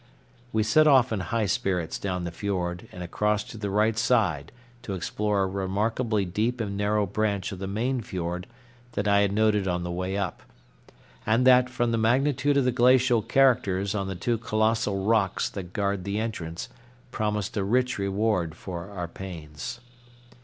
We set off in high spirits down the fiord and across to the right side to explore a remarkably deep and narrow branch of the main fiord that I had noted on the way up, and that, from the magnitude of the glacial characters on the two colossal rocks that guard the entrance, promised a rich reward for our pains.